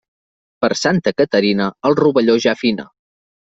Per Santa Caterina, el rovelló ja fina.